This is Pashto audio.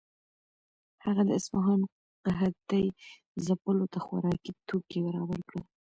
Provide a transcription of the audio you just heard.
هغه د اصفهان قحطۍ ځپلو ته خوراکي توکي برابر کړل.